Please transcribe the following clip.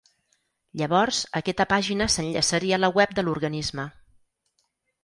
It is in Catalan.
Llavors, aquesta pàgina s’enllaçaria a la web de l’organisme.